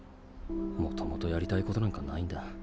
もともとやりたいことなんかないんだ。